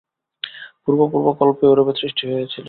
পূর্ব পূর্ব কল্পেও এরূপে সৃষ্টি হয়েছিল।